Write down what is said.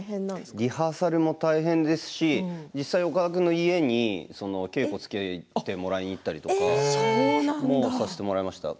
リハーサルも大変ですし実際、岡田君の家に稽古をつけてもらいに行ったりとかさせてもらいました。